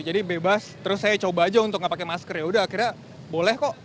jadi bebas terus saya coba aja untuk nggak pakai masker yaudah akhirnya boleh kok